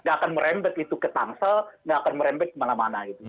nggak akan merembet itu ke tangsel nggak akan merembet ke mana mana